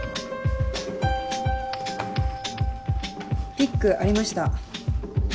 ピックありました。